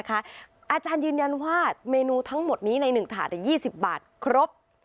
อาจารย์ยืนยันว่าเมนูทั้งหมดนี้ใน๑ถาด๒๐บาทครบ